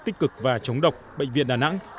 tích cực và chống độc bệnh viện đà nẵng